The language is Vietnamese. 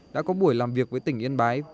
đã có buổi làm việc với tỉnh yên bái